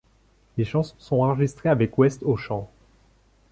Les chansons sont enregistrées avec West au chant.